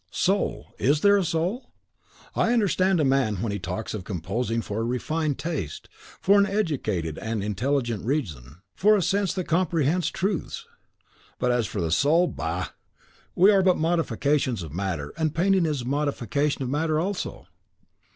soul! IS there a soul? I understand a man when he talks of composing for a refined taste, for an educated and intelligent reason; for a sense that comprehends truths. But as for the soul, bah! we are but modifications of matter, and painting is modification of matter also."